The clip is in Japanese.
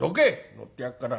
乗ってやっから。